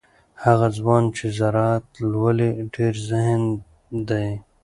هغه ځوان چې زراعت لولي ډیر ذهین دی.